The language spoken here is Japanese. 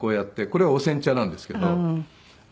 これはお煎茶なんですけど。